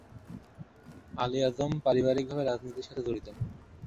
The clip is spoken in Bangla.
আলী আজম পারিবারিক ভাবে রাজনীতির সাথে জড়িত।